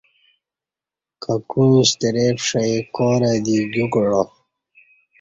کَکُعیں شترے پݜی کارہ دی گیو کعا